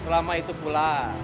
selama itu pula